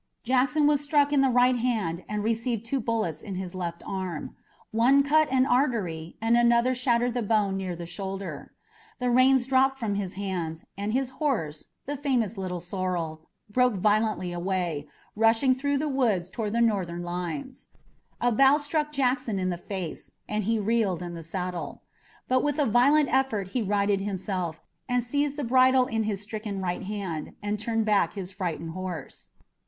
Jackson was struck in the right hand and received two bullets in his left arm. One cut an artery and another shattered the bone near the shoulder. The reins dropped from his hands, and his horse, the famous Little Sorrel, broke violently away, rushing through the woods toward the Northern lines. A bough struck Jackson in the face and he reeled in the saddle. But with a violent effort he righted himself, seized the bridle in his stricken right hand, and turned back his frightened horse.